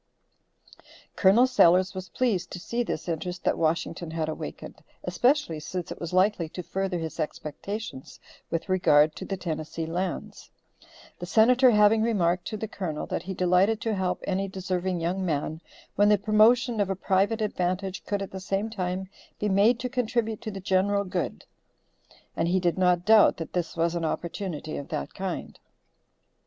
Col. Sellers was pleased to see this interest that Washington had awakened, especially since it was likely to further his expectations with regard to the Tennessee lands; the Senator having remarked to the Colonel, that he delighted to help any deserving young man, when the promotion of a private advantage could at the same time be made to contribute to the general good. And he did not doubt that this was an opportunity of that kind.